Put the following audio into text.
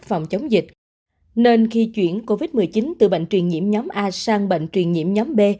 phòng chống dịch nên khi chuyển covid một mươi chín từ bệnh truyền nhiễm nhóm a sang bệnh truyền nhiễm nhóm b